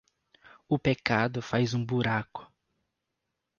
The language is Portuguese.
O pecado faz um buraco